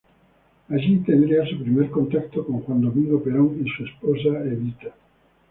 Allí tendría su primer contacto con Juan Domingo Perón y su esposa Evita.